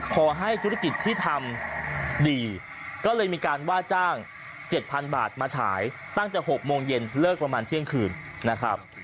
ขอให้ธุรกิจที่ทำดีก็เลยมีการว่าจ้าง๗๐๐บาทมาฉายตั้งแต่๖โมงเย็นเลิกประมาณเที่ยงคืนนะครับ